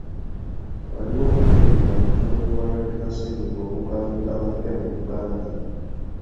Waliwo okukendeera kutono mu balwadde ba ssennyiga omukambwe abapya mu Uganda.